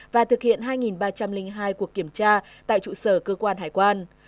và thực hiện hai ba trăm linh hai cuộc kiểm tra tại trụ sở cơ quan hải quan